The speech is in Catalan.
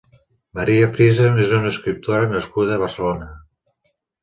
María Frisa és una escriptora nascuda a Barcelona.